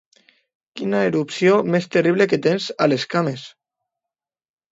Quina erupció més terrible que tens a les cames!